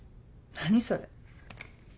何それ。